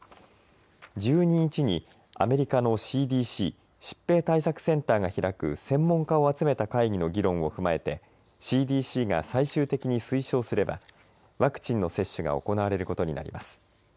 １２日にアメリカのＣＤＣ疾病対策センターが開く専門家を集めた会議の議論をふまえてＣＤＣが最終的に推奨すればワクチンの接種が行われることになります。